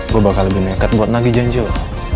gue bakal lebih neket buat nagih janji lo